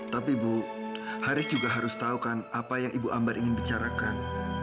tapi ibu haris juga harus tahu kan apa yang ibu ambar ingin bicarakan